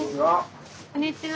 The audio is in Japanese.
こんにちは。